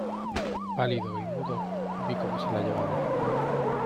pálido y mudo vi cómo se la llevaba: